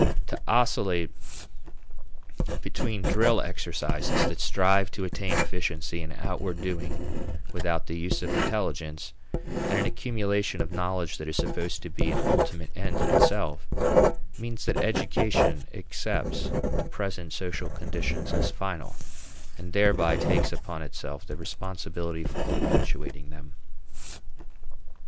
To oscillate between drill exercises that strive to attain efficiency in outward doing without the use of intelligence, and an accumulation of knowledge that is supposed to be an ultimate end in itself, means that education accepts the present social conditions as final, and thereby takes upon itself the responsibility for perpetuating them.